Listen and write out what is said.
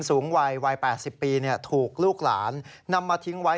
สูงวัยวัย๘๐ปีถูกลูกหลานนำมาทิ้งไว้